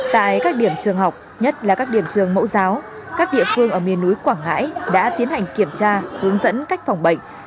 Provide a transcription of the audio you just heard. tại các điểm trường học nhất là các điểm trường mẫu giáo các địa phương ở miền núi quảng ngãi đã tiến hành kiểm tra hướng dẫn cách phòng bệnh